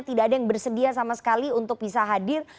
tidak ada yang bersedia sama sekali untuk bisa hadir